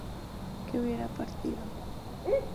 que hubiera partido